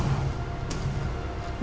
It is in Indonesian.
gue pengen tau